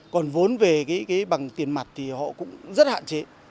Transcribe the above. còn vốn về cái bằng tiền mặt thì họ cũng rất hạn chế